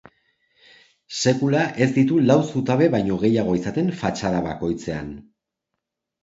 Sekula ez ditu lau zutabe baino gehiago izaten fatxada bakoitzean.